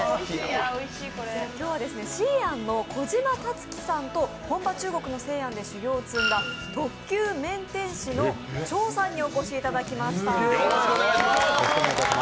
今日はＸＩ’ＡＮの小島達樹さんと本場・中国の西安で修行を積んだ特級麺点師の張さんにお越しいただきました。